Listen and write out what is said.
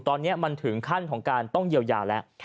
ตอนนี้มันถึงขั้นของการต้องเยียวยาแล้ว